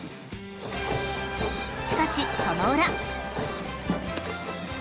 ［しかしその裏］